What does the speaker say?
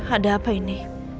ada apa ini